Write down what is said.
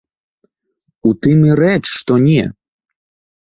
У тым і рэч, што не!